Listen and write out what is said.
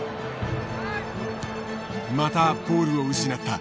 またボールを失った。